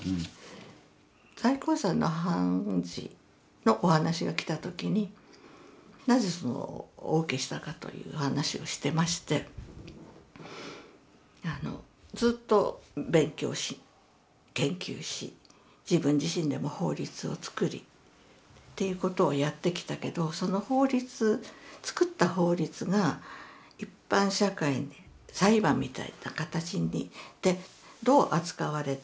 最高裁の判事のお話が来た時になぜお受けしたかという話をしてましてあのずっと勉強し研究し自分自身でも法律を作りっていうことをやってきたけどその法律というようなことを話として聞きました。